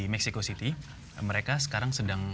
mexico city mereka sekarang sedang